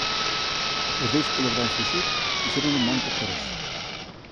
Os dous que lograron fuxir fixérono monte a través.